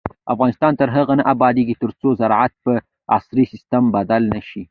افغانستان تر هغو نه ابادیږي، ترڅو زراعت په عصري سیستم بدل نشي.